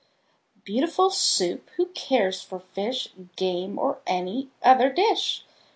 Beautiful Soup! Who cares for fish, Game, or any other dish?